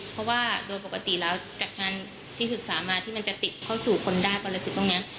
เพราะว่าโดยปกติแล้วจากการที่ศึกสามาร์ที่มันจะติดเข้าสู่คนด้านการเทรดซึ่งตรงเนี้ย